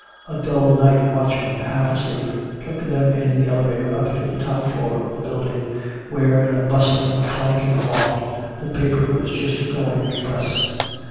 A dull night watchman half asleep took them in the elevator up to the top floor of the building, where in a bustling, clanking loft the paper was just going to press.